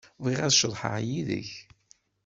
Bɣiɣ ad ceḍḥeɣ yid-k.